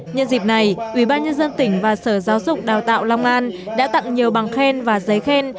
nhân dịp này ủy ban nhân dân tỉnh và sở giáo dục đào tạo long an đã tặng nhiều bằng khen và giấy khen